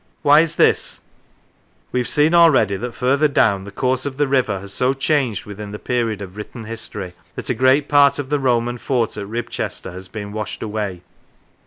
Why is this ? We have seen already that further down, the course of the river has so changed within the period of written history, that a great part of the Roman fort at Ribchester has been washed away.